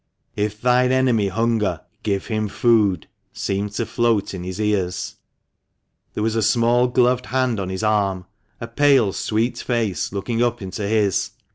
"If thine enemy hunger, give him food," seemed to float in his ears. There was a small gloved hand on his arm, a pale, sweet face looking up into his.